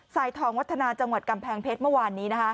สายทองวัฒนาจังหวัดกำแพงเพชรเมื่อวานนี้